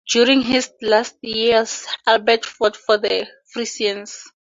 During his last years, Albert fought the Frisians.